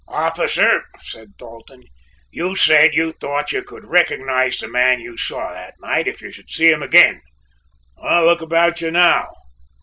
"Officer," said Dalton, "you said you thought you would recognize the man you saw that night if you should see him again; look about you now!